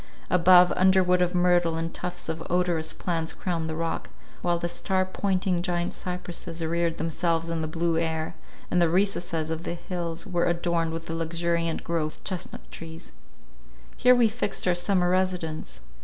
Above, underwood of myrtle and tufts of odorous plants crowned the rock, while the star pointing giant cypresses reared themselves in the blue air, and the recesses of the hills were adorned with the luxuriant growth of chestnut trees. Here we fixed our summer residence.